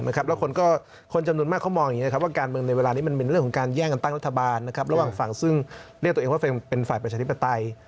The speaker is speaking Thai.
แล้วคนจำนวนมากเขามองอย่างนี้ว่าการเมืองในเวลานี้มันเป็นเรื่องของการแย่งกันตั้งรัฐบาลระหว่างฝั่งซึ่งเรียกตัวเองว่าเป็นฝ่ายประชาธิปไตย